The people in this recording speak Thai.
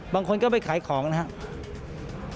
บางคนก็ไปขายของนะครับ